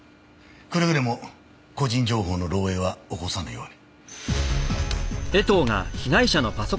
くれぐれも個人情報の漏洩は起こさぬように。